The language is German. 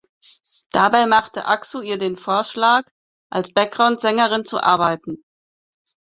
Dabei machte Aksu ihr den Vorschlag, als Backgroundsängerin zu arbeiten.